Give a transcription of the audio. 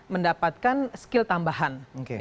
mendapatkan skill tambahan